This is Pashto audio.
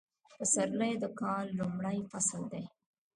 پسرلی د کال لومړی فصل دی